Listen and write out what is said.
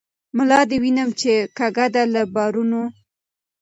ملا دي وینم چی کږه ده له بارونو